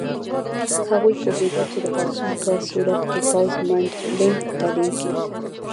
هغوی پوهېدل چې د پاڅون په صورت کې پوځ منډلینډ ته لېږي.